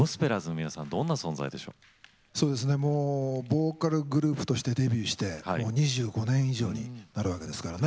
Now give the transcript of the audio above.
もうボーカルグループとしてデビューしてもう２５年以上になるわけですからね。